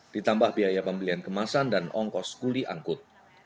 ditambah biaya pembelian kemasan dan ongkos kuli angkut